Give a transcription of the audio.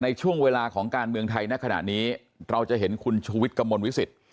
ในช่วงเวลาของการเมืองไทยในขณะนี้เราจะเห็นคุณชูวิทย์กระมวลวิสิต